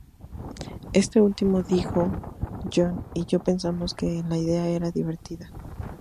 Este último dijo: "John y yo pensamos que la idea era divertida.